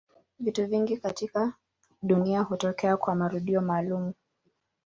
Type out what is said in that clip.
Vitu vingi katika dunia hutokea kwa marudio maalumu.